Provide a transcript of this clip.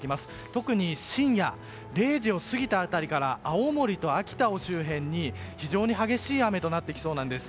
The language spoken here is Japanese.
特に深夜０時を過ぎた辺りから青森と秋田の周辺に非常に激しい雨となってきそうです。